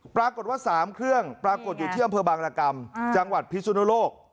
ปรากฏว่า๓เครื่องปรากฏอยู่ที่อำเภอบางรกรรมจังหวัดพิสุนโลก